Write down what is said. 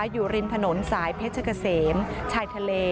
อยู่ริมถนนสายเพชรเกษมชายทะเล